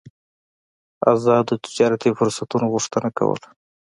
ازادو تجارتي فرصتونو غوښتنه کوله.